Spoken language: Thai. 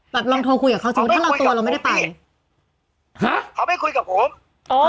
ลองโทรคุยกับเขาสิถ้าเราตัวเราไม่ได้ไปฮะเขาไปคุยกับผมอ๋อ